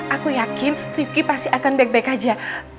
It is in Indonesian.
aku yakin rifki pasti akan baik baik aja